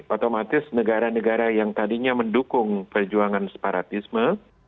otomatis negara negara yang tadinya mendukung perjuangan separatisme